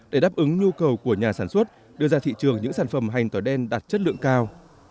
để đáp ứng nhu cầu của nhà sản xuất đưa ra thị trường những sản phẩm hành tỏi đen đạt chất lượng cao